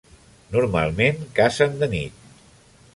Normalment cacen de nit.